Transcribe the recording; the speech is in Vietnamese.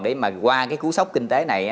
để mà qua cái cú sốc kinh tế này